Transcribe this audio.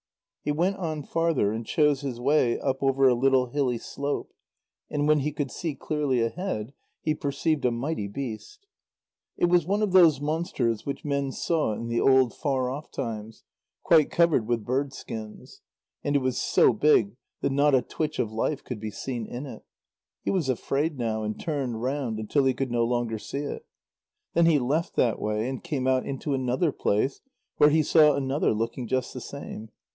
He went on farther, and chose his way up over a little hilly slope, and when he could see clearly ahead, he perceived a mighty beast. It was one of those monsters which men saw in the old far off times, quite covered with bird skins. And it was so big that not a twitch of life could be seen in it. He was afraid now, and turned round, until he could no longer see it. Then he left that way, and came out into another place, where he saw another looking just the same.